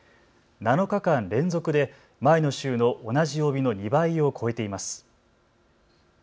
７日間連続で前の週の同じ曜日の２倍を超えています。